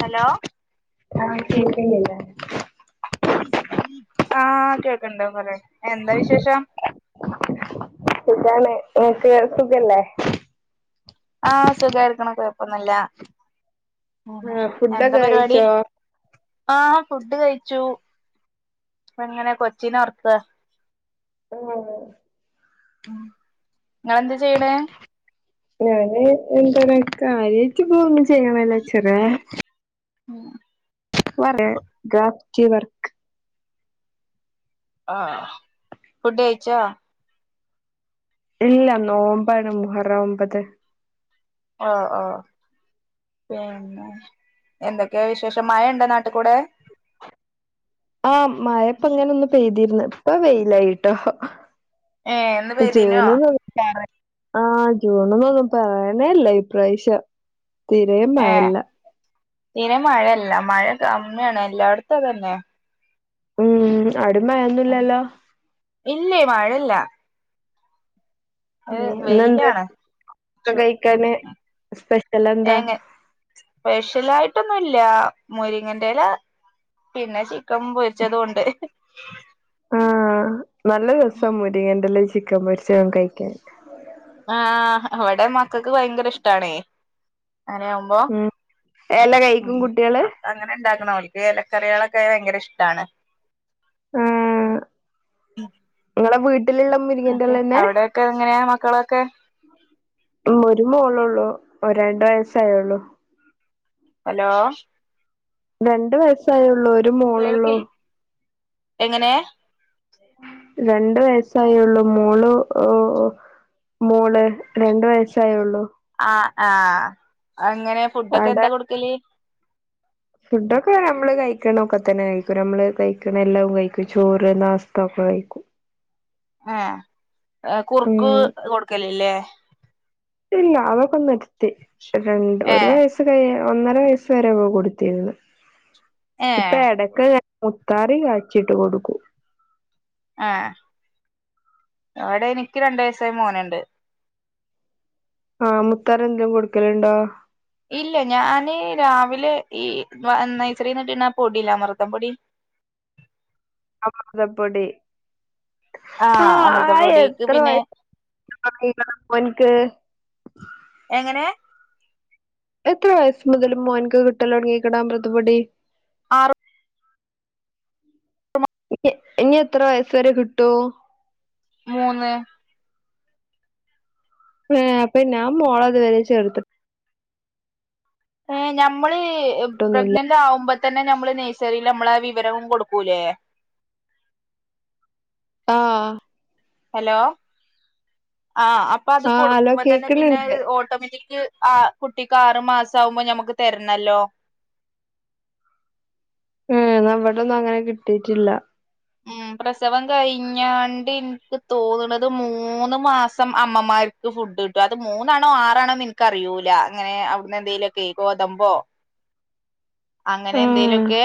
Hello ആഹ ശക്കല്ല ആഹ് കേക്കണൊണ്ട് പറയ് എന്താ വിശേഷം സഖാണ് നിങ് ക്ക് സുഖല്ലേ ആഹ് സുഖായിരിക്കണ് കുഴപ്പൊന്നൂല്ല പോണോ ആഹ് എന്താ ഫുഡൊക്കെ പരിപാടി കഴിച്ചോ ആഹ് ഫുഡ് കഴിച്ചു ഇപ്പം അങ്ങനെ കൊച്ചിന ഒർക്കാ ആഹ് നിങ്ങളെന്താ ചെയ്യണെ? ഞാന് എന്താണ് കാര്യാട്ട് ഇപ്പ ഒന്നും ചെയ്യണില്ല ചെറ് ഉം വറെ ഗാഫ് കി വർക്ക് ആഹ് ഫുഡ് കഴിച്ചോ ഇല്ല നോമ്പാണ് മുഹറം ഒമ്പത് ഓഹ് ഓഹ് പിന്നെ എന്തൊക്കെയാ വിശേഷം മഴ ഉണ്ടാ നാട്ടിൽ കൂടെ ആഹ് മഴേപ്പ ഇങ്ങന ഒന്ന് പെയ്തിരുന്ന് ഇപ്പൊ വെയിലായിട്ടോ ഏഹ് ഇന്ന് പെയ്തീനോ ചോരുവോന്ന് [unintelligible] ആ് ജൂണന്നൊന്നും പറയാനേയില്ല ഇപ്രാവശ്യം തീരയും മഴയില്ല തീരേം മഴയില്ല മഴ കമ്മിയാണ് എല്ലായിടത്തും അതന്നെ ഉം അടേം മയൊന്നുംല്ലല്ലോ ഇല്ലേ മഴല്ല അത് ഉം വെയില് ഇന്നെന്താ ആണ് കഴിക്കാന് സ്പെഷ്യൽ എന്താ ഏങ്ങെ സ്പെഷ്യലായിട്ടൊന്നുംല്ല മുരിങ്ങന്റെല പിന്നെ ചിക്കൻ പൊരിച്ചതൊണ്ട് ആഹ് നല്ല രസം മുരിങ്ങന്റെലെ ചിക്കൻ പൊരിച്ചതും കഴിക്കാൻ. ആഹ് ഇവടെ മക്കക്ക് ഭയങ്കര ഇഷ്ടാണേ അങ്ങനെയാവുമ്പോ ഉം എല ഉം കഴിക്കും കുട്ടികള് അതങ്ങനെ ഇണ്ടാക്ക്ണോൽ ക്ക് എലക്കറികളൊക്കെ ഭയങ്കര ഇഷ്ടാണ്. ആഹ് ഇങ്ങളെ വീട്ട് ട്ട്ല്ള്ള ന്നട്ട് മുരിങ്ങൻ്റെലന്നെ അവിടെയൊക്കെ എങ്ങനെയാ മക്കളൊക്കെ ഉം ഒരു മോളൊള്ളൂ ഇപ്പൊ ഒ രണ്ട് വയസ്സായൊള്ളൂ. ഹലോ രണ്ട വയസായൊള്ളൂ ഒരു മോളൊള്ളൂ. കേൾക്കില്ലേ എങ്ങനെ രണ്ട വയസായൊള്ളൂ മോള് ഓ ഒ മോള് രണ്ട് വയസ്സായൊള്ളൂ. ആഹ് ആഹ് അതങ്ങനെ ഫുഡൊക്കെ എന്താ കൊടുക്കല്? ഫുഡ് ഒക്കെ നമ്മള് കഴിക്കണ ഒക്കെ തന്നെ കഴിക്കും നമ്മള് കഴിക്ക്ണ എല്ലാവും കഴിക്കും ചോറ് നാസ്ത അയ്ക്കും ഏഹ് കുറുക്ക് ഉം കൊടുക്കലില്ലേ ഇല്ല അതൊക്കെ നിർത്തി രണ്ട് ഒരു ഏഹ് വയസ്സ് കഴിയാ ഒന്നര വയസ് വരെ ഒക്കെ കൊടുത്തിര്ന്ന് ഏഹ് ഇപ്പൊ എടക്ക് മുത്താറി കാച്ചീട്ട് കൊടുക്കും. ആഹ് ഇവടെ എനിക്ക് രണ്ട് വയസായ മോന്ണ്ട്. ആഹ് മുത്താറി എന്തേം കൊടുക്കല്ണ്ടോ? ഇല്ല ഞാന് രാവിലെ ഈ നൈസറീന്ന്ട്ട്ണ പൊടില്ലെ അമൃതം പൊടി അമൃതപ്പൊടി ആഹ് അമൃതപ്പൊടീക്ക് പിന്നെ [unintelligible] ഇപ്പോൻക്ക് എങ്ങനെ എത്ര വയസ്സ് മുതല് മോൻക്ക് കിട്ടലൊടങ്ങീക്ണ് അമൃതപൊടി? ആറ് ഇ ഇനി എത്ര വയസ്സ് വരെ കിട്ടു മൂന്ന് ഏ അപ്പൊ ഞാൻ മോളെത് വരെ ചേർത്ത് ഏ ഞമ്മള് ചേർത്തിട്ടൊന്നുല്ല പ്രഗ്നനന്റാവുമ്പ തന്നെ നമ്മള് നഴ്സറീല് ഞമ്മളെ വിവരവും കൊട്ക്കൂലേ ആ ഹലോ ആ അപ്പൊ അത് ആഹ് ഹലോ കൊടുക്കുമ്പാെതന്നെ കേക്ക്ണ് പിന്നെ ണ്ട് ത് ഓട്ടോമെറ്റിക് ആ കുട്ടിക്ക് ആറ് മാസാവുമ്പോ ഞമ്മക്ക് തര്ണല്ലോ ഏ ന്നാവിടൊന്നും അങ്ങനെ കിട്ടീട്ടില്ല ഉം പ്രസവം കഴിഞ്ഞാണ്ട് ഇൻക്ക് തോന്ന്ണത് മൂന്ന് മാസം അമ്മമാര് ക്ക് ഫുഡ് കിട്ടും അത് മൂന്നാണോ ആറാണോന്ന്ൻക്കറിയൂല അങ്ങനെ അവ്ട്ന്ന് എന്തേലാെക്കെ ഗോതമ്പോ അങ്ങനെ ആഹ് എന്തേലാെക്കെ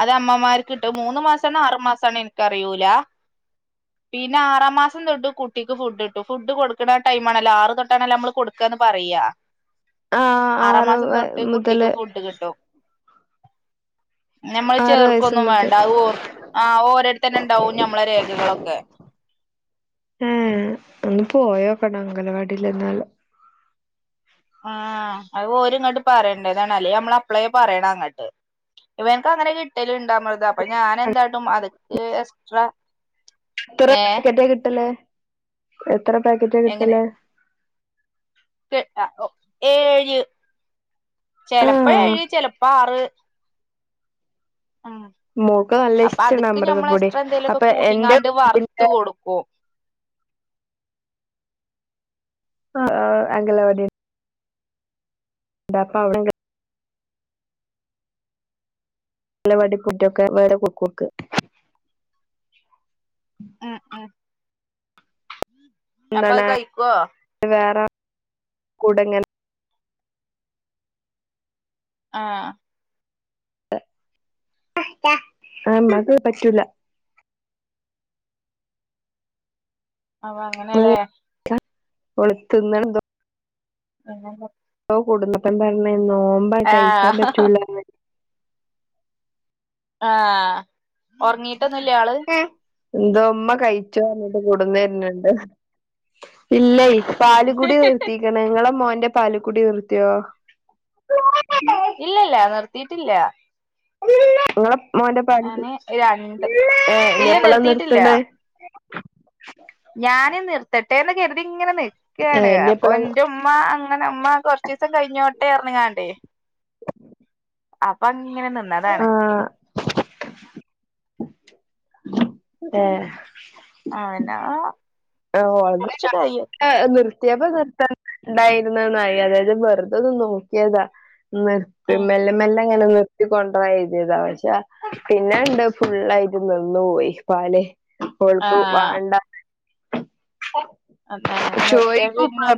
അത് അമ്മമാർക്ക്ട്ട് മൂന്ന് മാസ് സാണോ ആറ്മാസണോ ഇൻക്കറിയൂല പിന്നെ ആറാം മാസം തൊട്ട് കുട്ടിക്ക് ഫുഡ് കിട്ടും ഫുഡ് കൊടുക്ക്ണ ടൈമാണല്ലോ ആറ് തൊട്ടണല്ലോമ്മള് കൊടുക്കാ പർയാ ആഹ് ആറ് ആറാംമാസം തൊട്ട് കുട്ടിക്ക് മുതല് ഫുഡ് കിട്ടും ഞമ്മള് ആറ് വയസ്സ് ചേർക്കൊന്നും മുതൽ വേണ്ട അത് ഓർ ആ ഓരോടത്തന്നെണ്ടാവും ഞമ്മളെ രേഖകളൊക്കെ ഏ ഒന്ന് പോയോക്കണം അംഗലവാടില്ന്നാല് ആ അത് ഓര് ങ്ങട്ട് പറേണ്ടതാണ് അല്ലേ ഞമ്മളപ്പളേ പറയണങ്ങട്ട് ഇവൻക് അങ്ങനെ കിട്ടലിണ്ടമൃത് അപ്പൊ ഞാനെന്താട്ടും അത്ക്ക് എക്സ്ട്രാ എത്ര ഏഹ് പാക്കറ്റ കിട്ടല് എത്ര പാക്കറ്റ കിട്ടല് ട്ട് അ ഒ ഏഴ് ചെലപ്പോ ആഹ് ഏഴ് ചെലപ്പോ ആറ് ഉം ഉ മോക്ക് നല്ല അപ്പൊ ഇഷ്ടാണ് അത്ക്ക് ഞമ്മള് അമൃതപ്പൊടി എക്സ്ട്രാ എന്തേലുമൊക്കെ അപ്പൊ എന്റെ കൂട്ടിങ്ങാണ്ട് വറുത്ത് വീടിന്റെ കൊടുക്കും ആ അംഗലവാടി എന്താപ്പ അ [unintelligible] അംഗലവടി ഫുഡൊക്കെ വേറെ കൊക്കൊക്ക് അ അ ന്നാണ് കഴിക്കുവോ വേറെ കുട്ങ്ങൻ ആ ആ അത് പറ്റൂല അ അങ്ങനെലേ ഓള് തിന്ന്ണെന്തോ [unintelligible] കൂട്ന്നപ്പ പറഞ്ഞ് നോമ്പാ കഴിക്കാം ആഹ് പറ്റൂലർത്ത് ആ ഒർങ്ങിട്ടൊന്നുല്ലേ ആള് എന്തോ മ്മ കഴിച്ചോർഞ്ഞിട്ട് കൊട്ന്നെര്ണ് ണ്ട് ഇല്ലേ പാല്കുടി നിർത്തീക്ക്ണ് ങ്ങളെ മോന്റെ പാല്കുടി നിർത്ത്യാേ ഇല്ലല്ല നിർത്തിയിട്ടില്ല ങ്ങളെ മോന്റെ പാലുടി ഞാന് രണ്ട് ഏ ഇല്ല ഇഞ്ഞെപ്പളാ നിർത്തിയിട്ടില്ല നിർത്ത്ണേ ഞാന് നിർത്തട്ടെന്ന് കര്തിങ്ങനെ നി ഏ ക്കായാണ് ഇനി അപ്പൊ എപ്പളാ ന്റെ ഉമ്മ അങ്ങനെ മ്മ കൊർച്ചീസം കയ്ഞ്ഞോട്ടേർഞ്ഞ്ങ്ങാണ്ടേ അപ്പൊങ്ങനെ നിന്നതാണ് ആ ഏ ആ എന്നാ ഓ ഒന്നുല്ല [unintelligible] നിർത്തിയപ്പ നിർത്ത ഉണ്ടായിരുന്നന്നായി അതായത് വെറുത ഒന്ന് നോക്കിയതാ ആഹ് നിർത്തല്ല മെല്ല അങ്ങനെ നിർത്തിക്കൊണ്ട ഇതിതാ പക്ഷേ പിന്നെണ്ട് ഫുുള്ളായിട്ട് നിന്നു പോോയി പാല് കൊഴപ്പ ആഹ് വേണ്ട അതാണ് നിർത്തിയ ശയിക്ക പിന്നെ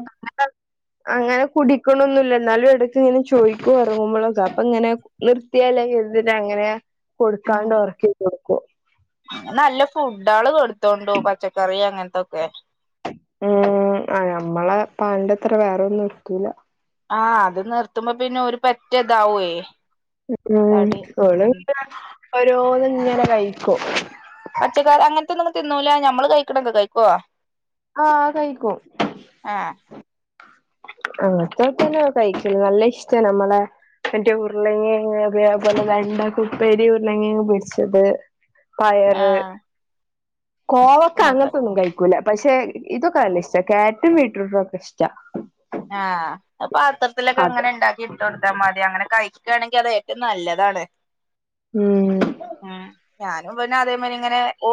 അങ്ങനെ കുടിക്കണൊന്നില്ല എന്നാലും ഇടക്ക ഇങ്ങനെ ചോദിക്കും ഉറങ്ങുമ്പോളൊക്കെ അപ്പൊ ഇങ്ങനെ നിർത്തിയ ട്ട് അങ്ങനെ കൊടുക്കാണ്ട് ഉം ഉറക്ക ചെയത് കൊടുക്കും നല്ല ഫുഡ ആള് കൊടുത്തോണ്ട പച്ചക്കറി അങ്ങനത്തൊക്കെ ഉം ഞമ്മളെ പാലിന്റെ അത്ര വേറെ ഒന്നും ഇർക്കൂല ആഹ അത് നിർത്തുമ്പോ പിന്നെ ഒരു പറ്റതാവേ ഉം ഓളങ്ങ ഓരോന്നും ഇങ്ങനെ കഴിക്കോ പച്ചക്കറിർ അങ്ങനത്തെ ഒന്നും തിന്നൂല നമ്മള് കഴിക്കണ എന്തോ കഴിക്കുവ ആഹ കഴിക്കോ ആഹ് അങ്ങത്തെക്കന്നെ കഴിക്കു നല്ല ഇഷ്ട നമ്മളെ എന്റെ ഉരുളങ്ങ അ പോലെ രണ്ട കുപ്പേരി ഉരുളങ്ങങ് പിടിച്ചത് പയറ് ആഹ് കോവൊക്കെ അങ്ങനത്തെ അങ്ങനത്തൊന്നും കഴിക്കൂല പക്ഷെ ഇതൊക്കെ അല്ല ഇഷ്ട കാരറ്റ് മീറ്റർൊക്കെ ഇഷ്ട ആഹ് പാത്രത്തിലൊക്കെ അങ്ങനെ ഉണ്ടാക്കിയിട്ടണ്ട് അ മതി അങ്ങനെ കഴിക്കുകയാണെങ്കിൽ അത ഏറ്റവും നല്ലതാണ് ഉം ഉ ഞാനും പിെ അതേ മരി ഇങ്ങനെ ഓ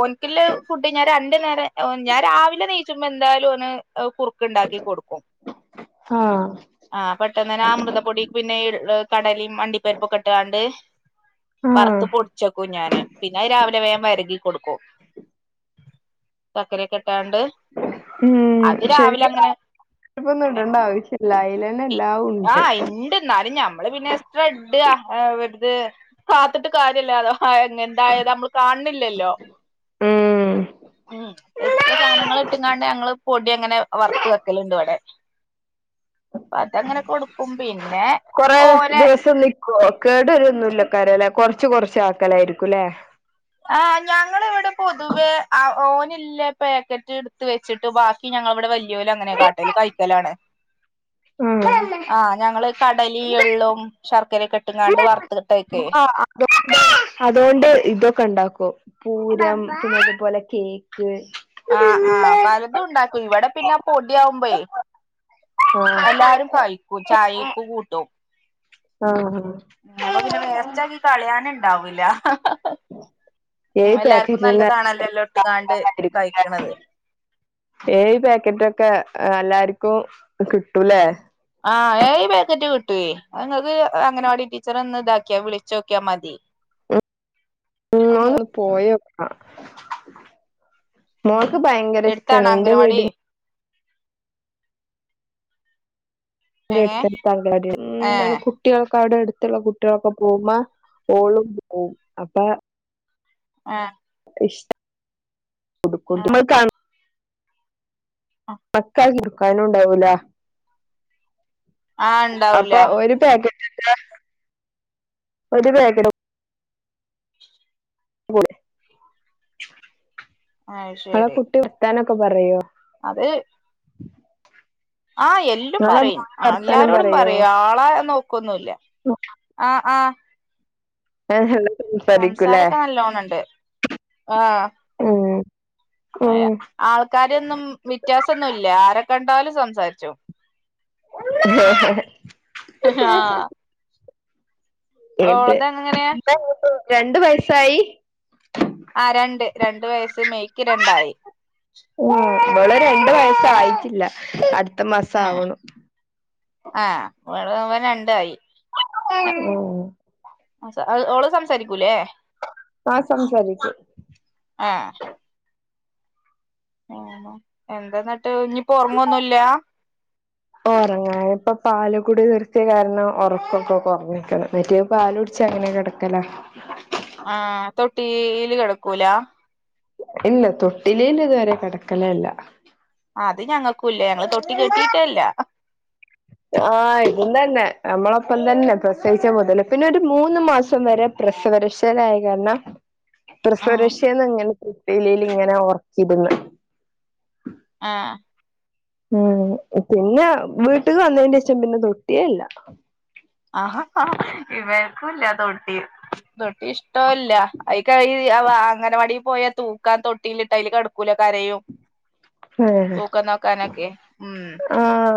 ഫുഡ് ഞാ രണ്ട നേരം ഞാൻ രാവിലെ നയിച്ച ുമ എന്തായാലും അവന് കുു ഉണ്ടാക്കി കൊടുക്കും ആ ആഹ പെട്ടെന്ന്ന്നെ അമൃതപ്പൊടി പിന്നെ കടലി മണ്ടി പർപ്പൊക്കെട്ടുകാണ്ട് ആ വറുത്ത് പൊടിച്ചെക്കൂ ഞാാന് പിന്നെ രാവിലെ വേഗം വരകി കൊടുക്കൂ ചക്കരയക്കെട്ടാണ്ട് ഉം അത് രാവിലെ ശരിക്കും അങ്ങനെ കറിവേപ്പൊന്നും ഇടണ്ട ആവശ്യല്ല അയിലന്നെ എല്ലാം ഉണ്ട് ആഹ് ഇണ്ട് എന്നാലും ഞമ്മള് പിന്നെ എത്ര ഇഡ ആഹ് വടുത് കാത്തിട്ട് കാര്യല്ല അതോ എന്തായ നമ്മള് കാണണില്ലല്ലോ ഉം ഉം എസ്ട്ര സാധനങ്ങൾ ഇട്ടുംാണ്ട് ഞങ്ങള് പൊടി അങ്ങനെ വറുത്ത് വെക്കലുണ്ട് അവിടെ അപ്പ അതങ്ങനെ കൊടുക്കും്പന്നെ കൊറെ ദിവസം നിക്കുവ കേടരൊന്നുമല്ല കരല്ല കൊറച്ച് കൊറച്ച് ആൾക്കലായിരിക്കുംല്ലേ ആ് ഞങ്ങള ഇവിടെ പൊതുവേഓ ഇല്ല പാക്കറ്റ് എടുത്ത് വെച്ചിട്ട് ബാക്കി ഞങ്ങള ഇവിടെ വലിയ പോല അങ്ങനെ കാട്ടൽ കഴിക്കലാണ് ആഹ ഞങ്ങള് കടലി ഉള്ളും ശർക്കരയക്കെ ഇട്ടുംങ്ങാണ്ട് വറ ആ അതുകൊണ്ട് ഇതൊക്കെ ഉണ്ടാക്കും പൂരം പിന്നെതുപോലെ കേക്ക് ആഹ ആഹ പലതും ഉണ്ടാക്കും ഇവിടെ പിന്നെ പൊടിയവുമ്പോയേ എല്ലാരും കഴിക്കൂ ചായക്കെ കൂട്ടും ആഹ ഉ അപ്പൊ പിന്നെ വേസ്റ്റാക്കി കളിയാന ഇണ്ടാവൂില്ല ഏഴ് എല്ലാർക്കും പാക്കറ്റിന് നല്ലതാണല്ലോല്ലോ ഒട്ട്ുകാണ്ട് കഴിക്കണത് ഏ പാക്കറ്റൊക്കെ എല്ലാർക്കും കിട്ടൂല്ലേ ആഹ് ഈ പാക്കറ്റ് കിട്ടുവേ നിങ്ങക്ക് അങ്ങനെവാടി ടീച്ചർ ഒന്ന് ഇതാക്കിയാ വിളിച്ചുോക്കിയാ മതി ഉ ഉ ഉം ഒന്ന് പോയക്ക മോക്ക് ഭയങ്കര ഇഷ്ടമാണ് എടുത്താണോ എൻറെ അംഗനവാടി വീടി എന്റെ എങ്ങനെ അടുതടുത്ത [unintelligible] ന്താണ് ഏഹ് കുട്ടികൾ. ക്കാടെ അടുത്തുള്ള കുട്ടികളൊക്കെ പോമ്പ ഓളും പോവും അപ്പ. ആ ആഹ് [unintelligible] [unintelligible] കിടുക്കാനു ണ്ടാവൂല. ആഹ് അപ്പ ഉണ്ടാവൂല ഒരു പാക്കറ്റിന്റെ ഒരു [unintelligible] അത് നിങ്ങളെ ശരി കുട്ടി വർത്താനൊക്കെ പറയോ? അത് ആ എല്ലും നിങ്ങളെ പറയും മോൻ വർത്താനം എല്ലാരോടും പറയോ പറയും ആളെ നോക്കൊന്നുല്ല. ആ ആ [unintelligible] സംസാരൊക്കെ നല്ലോണണ്ട് ആ ഉം ഉം ആൾക്കാരൊന്നും വ്യത്യാസൊന്നുല്ല ആരെ കണ്ടാലും സംസാരിചോം. [unintelligible] ആ [unintelligible] രണ്ടു വയസായി? ആ രണ്ട് രണ്ട് വയസ്സ് മെയ്ക്ക് രണ്ടായി. ഉം ഇവള് രണ്ടു വയസായിട്ടില്ല അടുത്ത മാസാവണു. ആ ഇവിടെ ഇവന് രണ്ടായി. ഉം ഓള് സംസാരിക്കൂലേ? ആ സംസാരിക്കും. ആണോ എന്തന്നിട്ട് ഞ്ഞിപ്പോ ഒറങ്ങൊന്നുല്ലാ? ഒറങ്ങാനിപ്പ പാല് കൂടി നിർത്തിയ കാരണം ഒറക്കൊക്കെ കൊറഞ്ഞിക്കണ് മറ്റേത് പാല് കുടിച്ച് അങ്ങനെ കിടക്കലാ. ആ തൊട്ടില് കെടക്കൂല ഇല്ല തൊട്ടിലില് ഇതുവരെ കെടക്കലേല്ല. അത് ഞങ്ങൾക്കുല്ല ഞങ്ങള് തൊട്ടി കെട്ടിട്ടേല്ല. ആ ഇതും തന്നെ നമ്മളൊപ്പം തന്നെ പ്രേസോയിച്ച മുതല് പിന്നെ ഒരു മൂന്ന് മാസം വരെ പ്രേസവരേക്ഷേലായ കാരണം ആഹ് പ്രസവരേക്ഷേന്നിങ്ങനെ തൊട്ടിലില് ഇങ്ങനെ ഒർക്കിട്ന്ന്. ആ ഉം പിന്നെ വീട്ടക്ക് വന്നെന്റെ ശേഷം പിന്നെ തൊട്ടിയേല്ല. ആഹ ഇവൻക്കുല്ലതൊട്ടി. തൊട്ടി ഇഷ്ട്ടൊല്ല അയിക്കയ് അവ അങ്ങനെവാടി പോയാ തൂക്കാൻ തൊട്ടിലിട്ടാ അയില് കടക്കൂല കരയും. ഏഹ് തൂക്കം നോക്കാനൊക്കെയെ ഉം ആഹ്